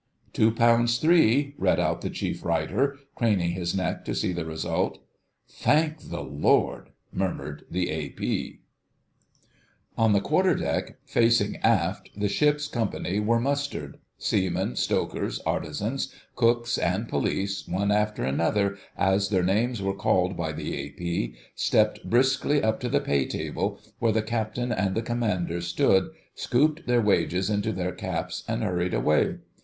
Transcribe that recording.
"Two pounds three," read out the Chief Writer, craning his neck to see the result. "Thank the Lord," murmured the A.P. On the quarter deck, facing aft, the ship's company were mustered: seamen, stokers, artisans, cooks, and police, one after another, as their names were called by the A.P., stepped briskly up to the pay table, where the Captain and the Commander stood, scooped their wages into their caps and hurried away.